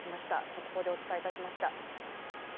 速報でお伝えいたしました。